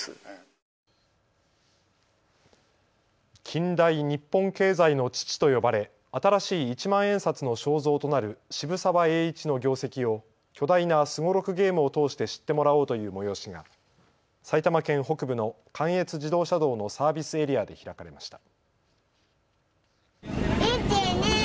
近代日本経済の父と呼ばれ新しい一万円札の肖像となる渋沢栄一の業績を巨大なすごろくゲームを通して知ってもらおうという催しが埼玉県北部の関越自動車道のサービスエリアで開かれました。